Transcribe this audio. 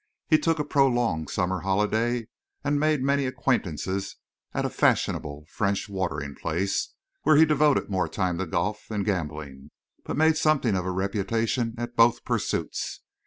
He took a prolonged summer holiday and made many acquaintances at a fashionable French watering place, where he devoted more time to golf than gambling, but made something of a reputation at both pursuits.